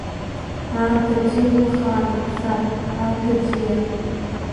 Аамҭа бзиа уахаануп, саб, аамҭа бзиа.